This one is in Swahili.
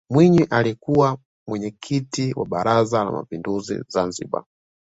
mwinyi alikuwa mwenyekiti wa baraza la mapinduzi zanzibar